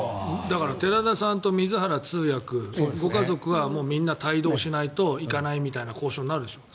寺田さんと水原通訳ご家族はみんな帯同しないと行かないみたいな交渉になるんでしょう。